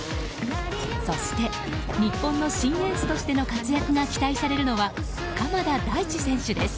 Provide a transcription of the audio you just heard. そして日本の新エースとしての活躍が期待されるのは鎌田大地選手です。